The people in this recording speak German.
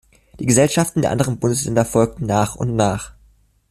Die Gesellschaften der anderen Bundesländer folgten nach und nach.